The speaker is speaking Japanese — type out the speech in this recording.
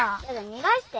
逃がして。